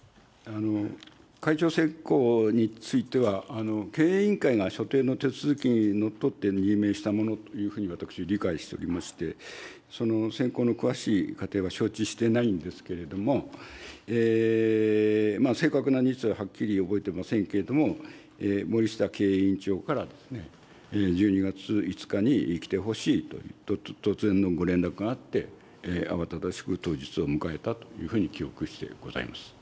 会長選考については、経営委員会が所定の手続きにのっとって任命したものというふうに私、理解しておりまして、その選考の詳しい過程は承知してないんですけれども、正確な日時ははっきり覚えていませんけれども、森下経営委員長から１２月５日に来てほしいという突然のご連絡があって、慌ただしく当日を迎えたというふうに記憶してございます。